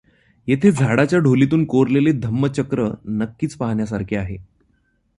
येथे झाडाच्या ढोलीतून कोरलेले धम्मचक्र नक्कीच पाहण्यासारखे आहे.